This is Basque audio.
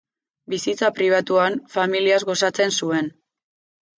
Bizitza pribatuan, familiaz gozatzen zuen.